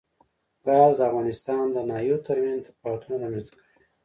ګاز د افغانستان د ناحیو ترمنځ تفاوتونه رامنځ ته کوي.